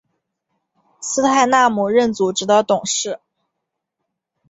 斯泰纳姆任组织的董事。